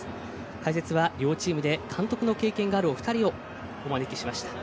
解説は両チームで監督の経験があるお二人をお招きしました。